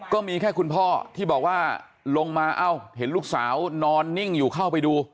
ก็มีแค่คุณพ่อที่บอกว่าลงมาเอ้าเห็นลูกสาวนอนนิ่งอยู่เข้าไปดู